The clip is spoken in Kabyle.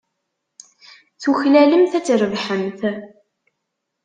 Tuklalemt ad trebḥemt.